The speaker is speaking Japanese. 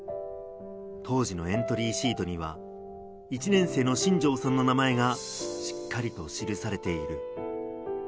当時のエントリーシートには、１年生の新城さんの名前がしっかりと記されている。